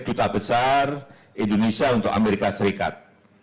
duta besar indonesia untuk amerika serikat